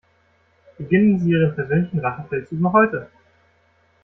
Beginnen Sie Ihren persönlichen Rachefeldzug noch heute!